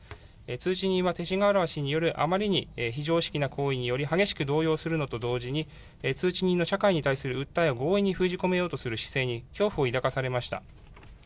通知人は勅使河原氏によるあまりに非常識な行為により、激しく動揺するのと同時に、通知人の社会に対する訴えを強引に封じ込めようとする姿勢に恐怖を抱かされました。